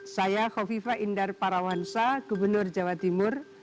saya kofifa indar parawansa gubernur jawa timur